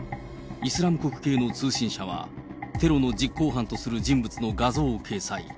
イスラム国系の通信社は、テロの実行犯とする人物の画像を掲載。